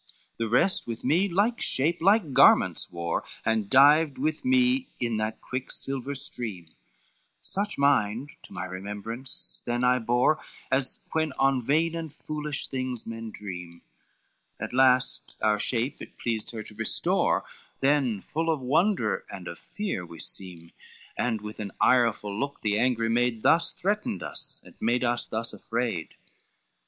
LXVII "The rest with me like shape, like garments wore, And dived with me in that quicksilver stream, Such mind, to my remembrance, then I bore, As when on vain and foolish things men dream; At last our shade it pleased her to restore, Then full of wonder and of fear we seem, And with an ireful look the angry maid Thus threatened us, and made us thus afraid.